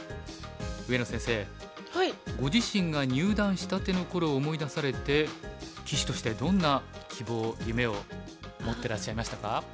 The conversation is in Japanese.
上野先生ご自身が入段したての頃を思い出されて棋士としてどんな希望夢を持ってらっしゃいましたか？